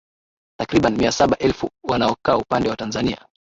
Takriban mia saba elfu wanaokaa upande wa Tanzania